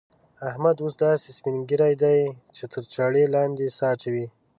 احمد اوس داسې سپين ږيری دی چې تر چاړه لاندې سا اچوي.